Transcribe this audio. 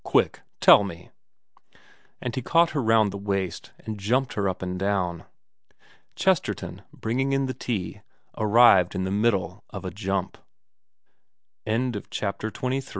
Quick. Tell me ' And he caught her round the waist and jumped her up and down. Chesterton, bringing in the tea, arrived in the middle of a ju